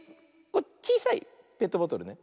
ちいさいペットボトルね。